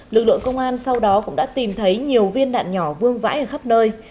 lực lượng công an sau đó cũng đã tìm thấy nhiều viên đạn nhỏ vương vãi ở khắp nơi